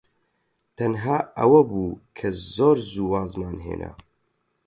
تەنها ئەوە بوو کە زۆر زوو وازمان هێنا.